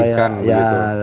nah kita rapi ya